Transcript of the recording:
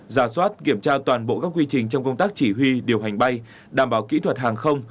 giả soát kiểm tra toàn bộ các quy trình trong công tác chỉ huy điều hành bay đảm bảo kỹ thuật hàng không